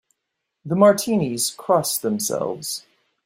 The Martinis cross themselves.